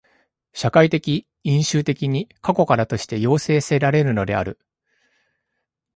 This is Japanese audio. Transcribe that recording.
社会的因襲的に過去からとして要請せられるのである。